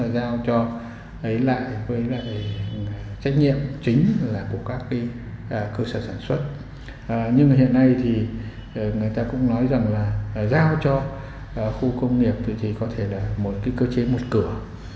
giao cho khu công nghiệp thì có thể là một cơ chế một cửa